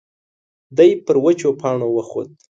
دی پر وچو پاڼو وخوت.